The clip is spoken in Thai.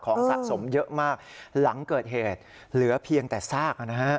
สะสมเยอะมากหลังเกิดเหตุเหลือเพียงแต่ซากนะฮะ